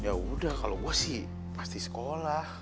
yaudah kalau gue sih pasti sekolah